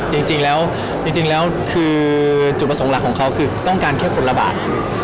จริงแล้วจริงแล้วคือจุดประสงค์หลักของเขาคือต้องการแค่คนละบาท